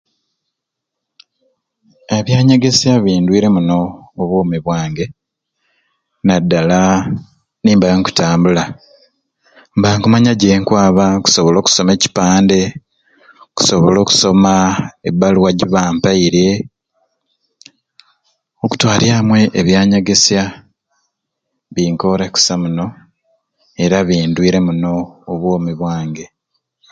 Ebyanyegesya bindwire muno obwomi bwange naddala nemba nkutambula mba nkumanya gyenkwaba nkusobola okusomero ekipande nkusobola okusoma ebbaluwa gi bampaire okutwarya amwe ebyanyegesya binkoore kusai muno era bindwire muno obwomi bwange.